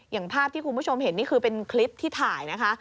อย่างภาพที่คุณผู้ชมเห็นนี่คือเป็นคลิปที่ถ่ายนะคะ